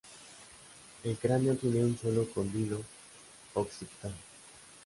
El cráneo tiene un sólo cóndilo occipital.